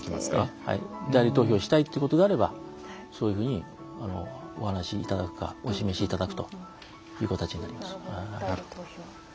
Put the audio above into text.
代理投票したいということであればそういうふうにお話しいただくかお示しいただくという形になります。